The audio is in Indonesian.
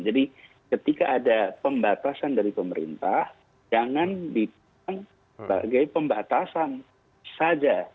jadi ketika ada pembatasan dari pemerintah jangan dibilang sebagai pembatasan saja